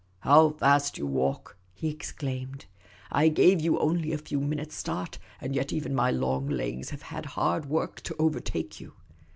" How fast you walk !" he exclaimed. " I gave you only a few minutes' start, and yet even my long legs have had hard work to overtake you.